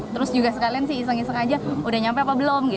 terus juga sekalian sih iseng iseng aja udah nyampe apa belum